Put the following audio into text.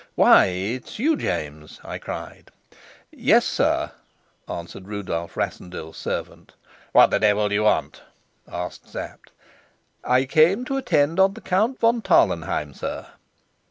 "Why, is it you, James?" I cried. "Yes, sir," answered Rudolf Rassendyll's servant. "What the devil do you want?" asked Sapt. "I came to attend on the Count von Tarlenheim, sir."